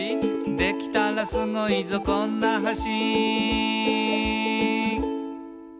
「できたらスゴいぞこんな橋」